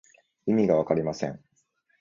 意味がわかりません。